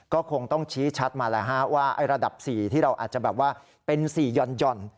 ก็คงต้องชี้ชัดมาว่าระดับ๔ที่เราอาจจะเป็น๔ย่อน